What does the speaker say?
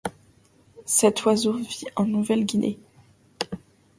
Cet oiseau vit en Nouvelle-Guinée.